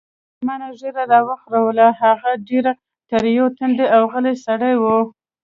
سلمان ږیره را وخروله، هغه ډېر تریو تندی او غلی سړی و.